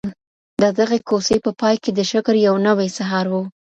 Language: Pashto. د دغي کوڅې په پای کي د شکر یو نوی سهار و.